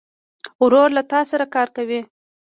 ورور له تا سره کار کوي.